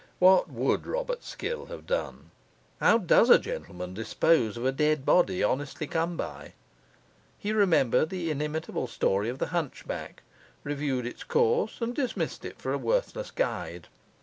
What would Robert Skill have done? How does a gentleman dispose of a dead body, honestly come by? He remembered the inimitable story of the hunchback; reviewed its course, and dismissed it for a worthless guide.